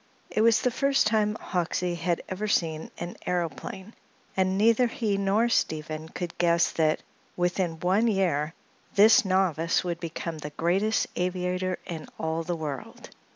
It was the first time Hoxsey had ever seen an aëroplane, and neither he nor Stephen could guess that within one year this novice would become the greatest aviator in all the world.